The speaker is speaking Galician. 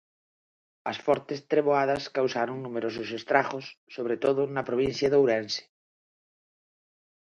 As fortes treboadas causaron numerosos estragos, sobre todo na provincia de Ourense.